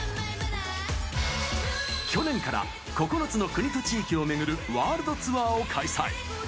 去年から９つの国と地域を巡るワールドツアーを開催。